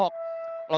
untuk membubaskan ahok